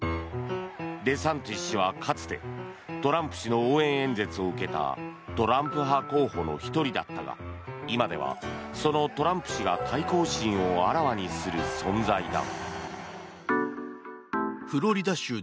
デサンティス氏は、かつてトランプ氏の応援演説を受けたトランプ派候補の１人だったが今では、そのトランプ氏が対抗心をあらわにする存在だ。